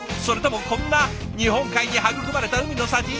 それともこんな日本海に育まれた海の幸？